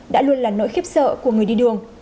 đã luôn là nỗi khiếp sợ của người đi đường